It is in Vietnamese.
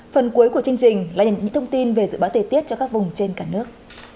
phần cuối của chương trình là những thông tin về dự báo thời tiết cho các vùng trên cả nước